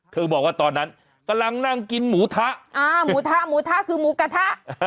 บอกว่าตอนนั้นกำลังนั่งกินหมูทะอ่าหมูทะหมูทะคือหมูกระทะ